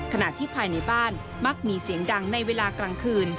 ขณะที่ภายในบ้านมักมีเสียงดังในเวลากลางคืน